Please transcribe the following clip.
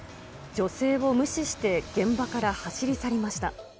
女性を無視して現場から走り去りました。